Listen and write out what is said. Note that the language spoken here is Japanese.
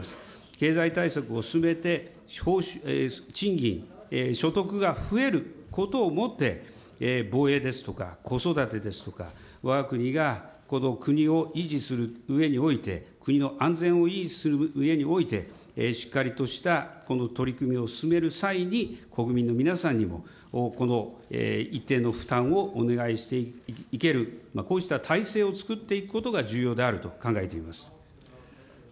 経済対策を進めて、賃金、所得が増えることをもって、防衛ですとか、子育てですとか、わが国がこの国を維持するうえにおいて、国の安全を維持するうえにおいて、しっかりとしたこの取り組みを進める際に、国民の皆さんにもこの一定の負担をお願いしていける、こうした体制を作っていくことが重要であると考えています。